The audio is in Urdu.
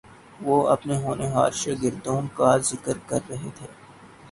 وہ اپنے ہونہار شاگردوں کا ذکر کر رہے تھے